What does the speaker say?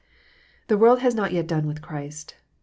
The world has not yet done with Christ.